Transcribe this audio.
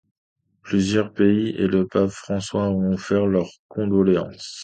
Plusieurs pays, et le pape François ont offert leur condoléances.